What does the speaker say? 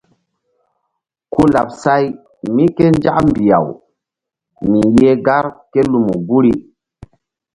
Ku laɓ say mí ké nzak mbih-aw mi yeh gar ké lumu guri.